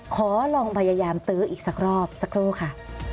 ขอลองพยายามตื้ออีกสักรอบสักครู่ค่ะ